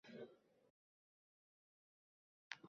Soddalik axloqiy go’zallikning shartidir.